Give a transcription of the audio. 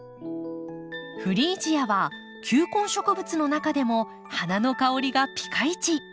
フリージアは球根植物の中でも花の香りがぴかいち。